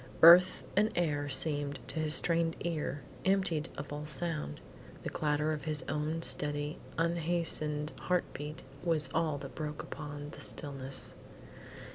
Earth and air seemed, to his strained ear, emptied of all sound. The clatter of his own steady, unhastened heart beat was all that broke upon the stillness.